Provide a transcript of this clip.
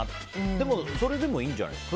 でもそれでもいいんじゃないですか。